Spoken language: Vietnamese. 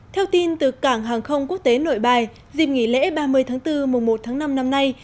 theo tin từ cảng hàng không quốc tế nội bài dịp nghỉ lễ ba mươi tháng bốn mùa một tháng năm năm nay